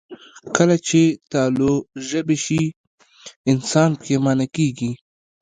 کله چې تالو ژبې شي، انسان پښېمانه کېږي